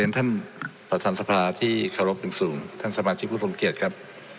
ท่านประธานสภาที่เคารพเป็นสูงท่านสมาชิกผู้ทรงเกียจครับ